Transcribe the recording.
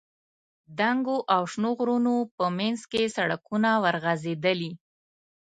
دنګو او شنو غرونو په منځ کې سړکونه ورغځېدلي.